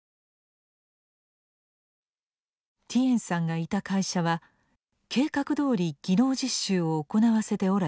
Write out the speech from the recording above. ティエンさんがいた会社は計画どおり「技能実習を行わせておらず」